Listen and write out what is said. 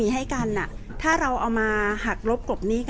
เกิดขึ้นอย่างน้อยน้อยมีลูกที่น่ารักสองคนแล้วก็มันมันไม่ใช่แค่บูบเดียวค่ะ